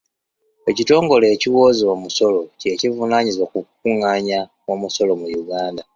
Ekitongole ekiwooza omusolo kye kivunaanyizibwa ku kukungaanya omusolo mu Uganda.